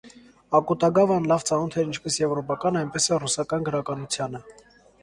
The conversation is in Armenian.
Ակուտագավան լավ ծանոթ էր ինչպես եվրոպական, այնպես էլ ռուսական գրականությանը։